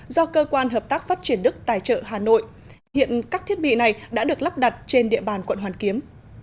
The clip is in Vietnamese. do cơ quan hợp tác phát triển đức tài trợ hà nội hiện các thiết bị này đã được lắp đặt trên địa bàn quận hoàn kiếm